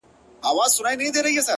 چي كله مخ ښكاره كړي ماته ځېرسي اې ه ـ